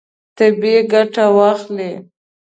طبیعي ګټه واخلئ.